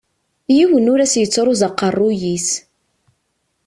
Yiwen ur as-yettruẓ aqerruy-is.